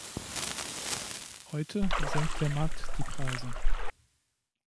Heute senkt der Markt die Preise.